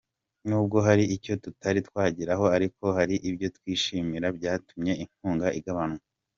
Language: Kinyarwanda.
N’ubwo hari ibyo tutari twageraho ariko hari ibyo twishimira byanatumye inkunga igabanwa.